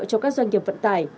cho các doanh nghiệp vận tải